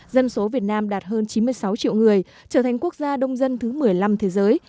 dân số việt nam đạt hơn chín mươi sáu triệu người trở thành quốc gia đông dân thứ một mươi năm thế giới